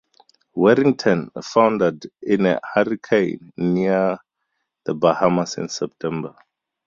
"Warrington" foundered in a hurricane near the Bahamas in September.